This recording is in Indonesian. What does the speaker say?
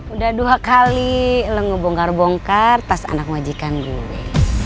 udah dua kali lo ngebongkar bongkar tas anak wajikan gue